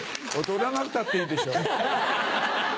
踊らなくたっていいでしょ。